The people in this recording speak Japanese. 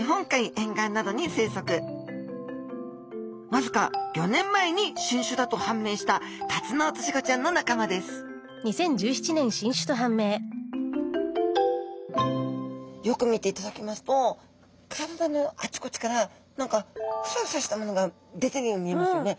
わずか５年前に新種だと判明したタツノオトシゴちゃんの仲間ですよく見ていただきますと体のあちこちから何かフサフサしたものが出ているように見えますよね。